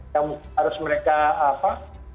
yang harus mereka apa